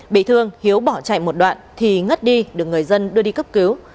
bị thương hiếu bỏ chạy một đoạn thì ngất đi được người dân đưa đi cấp cứu